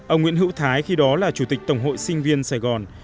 ông nguyễn hữu thái khi đó là chủ tịch tổng hội sinh viên sài gòn